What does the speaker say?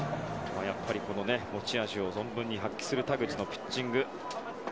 持ち味を存分に発揮する田口のピッチング。